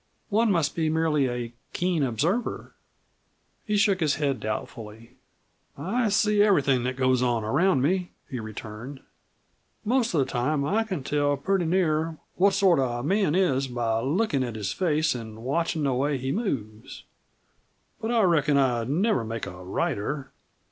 One must be merely a keen observer." He shook his head doubtfully. "I see everything that goes on around me," he returned. "Most of the time I can tell pretty near what sort a man is by lookin' at his face and watching the way he moves. But I reckon I'd never make a writer.